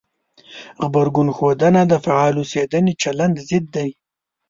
غبرګون ښودنه د فعال اوسېدنې چلند ضد دی.